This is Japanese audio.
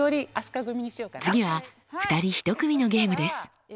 次は２人一組のゲームです。